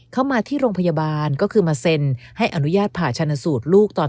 เข้ามาที่โรงพยาบาลก็คือมาเซ็นให้อนุญาตผ่าชนสูตรลูกตอน